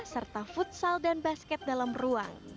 serta futsal dan basket dalam ruang